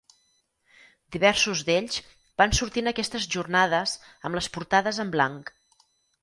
Diversos d'ells van sortir en aquestes jornades amb les portades en blanc.